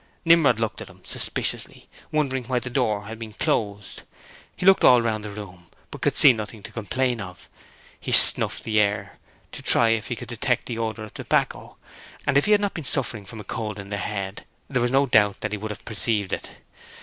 Nimrod looked at him suspiciously, wondering why the door had been closed. He looked all round the room but could see nothing to complain of. He sniffed the air to try if he could detect the odour of tobacco, and if he had not been suffering a cold in the head there is no doubt that he would have perceived it.